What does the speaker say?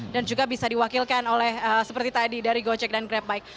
dan juga bisa diwakilkan oleh seperti tadi dari gojek dan grab bike